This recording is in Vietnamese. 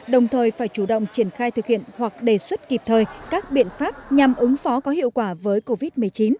đồng thời phải chủ động triển khai thực hiện hoặc đề xuất kịp thời các biện pháp nhằm ứng phó có hiệu quả với covid một mươi chín